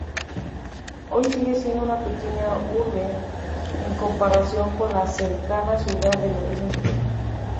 Hoy sigue siendo una pequeña urbe en comparación con la cercana ciudad de Berlín.